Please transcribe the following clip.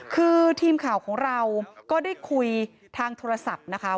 คือทีมข่าวของเราก็ได้คุยทางโทรศัพท์นะคะ